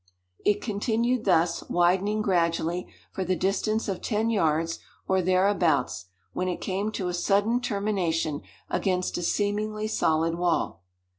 It continued thus, widening gradually, for the distance of ten yards, or thereabouts, when it came to a sudden termination against a seemingly solid wall.